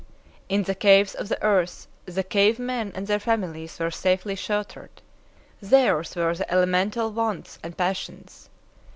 In the caves of the earth the cave men and their families were safely sheltered. Theirs were the elemental wants and passions.